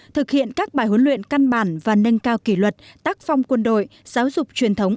thực hiện các bài huấn luyện căn bản và nâng cao kỷ luật tác phong quân đội giáo dục truyền thống